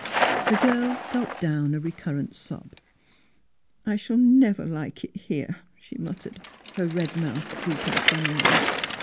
" The girl gulped down a recurrent sob. '^ I — I shall never like it here," she muttered, her red mouth drooping sullenly.